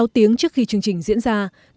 sáu tiếng trước khi chương trình diễn ra